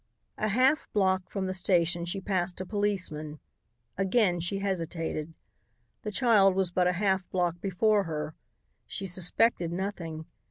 A half block from the station she passed a policeman. Again she hesitated. The child was but a half block before her. She suspected nothing.